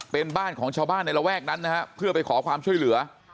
เป็นบ้านของชาวบ้านในระแวกนั้นนะฮะเพื่อไปขอความช่วยเหลือ